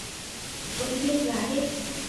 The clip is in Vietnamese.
vẫn biết là hết